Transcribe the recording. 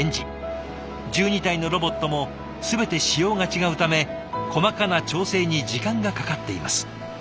１２体のロボットも全て仕様が違うため細かな調整に時間がかかっています。